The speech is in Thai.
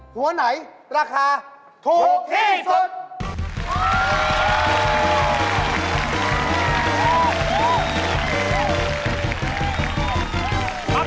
หัวไหนราคาถูกที่สุด